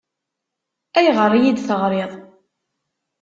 Ayɣer ay iyi-d-teɣriḍ?